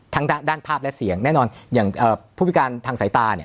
ทางด้านภาพและเสียงแน่นอนอย่างผู้พิการทางสายตาเนี่ย